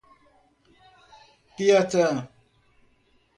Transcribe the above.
Piatã